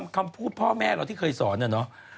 คำพูดพ่อแม่เราที่เคยสอนอะเนาะ